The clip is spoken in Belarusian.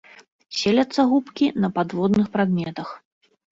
Селяцца губкі на падводных прадметах.